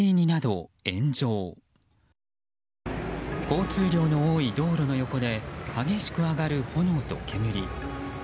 交通量の多い道路の横で激しく上がる炎と煙。